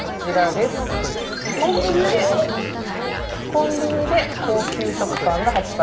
コンビニで高級食パンが発売。